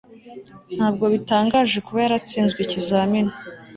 Ntabwo bitangaje kuba yaratsinzwe ikizamini